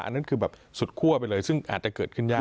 อันนั้นคือแบบสุดคั่วไปเลยซึ่งอาจจะเกิดขึ้นยาก